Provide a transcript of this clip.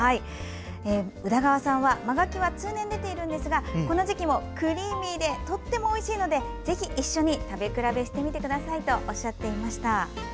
宇田川さんは真がきは通年出ているのですがこの時期もクリーミーでとてもおいしいのでぜひ一緒に食べ比べしてみてくださいとおっしゃっていました。